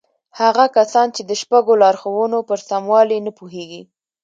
هغه کسان چې د شپږو لارښوونو پر سموالي نه پوهېږي.